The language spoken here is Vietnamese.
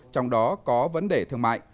trong đó có vấn đề thương mại